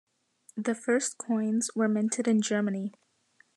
The first coins were minted in Germany.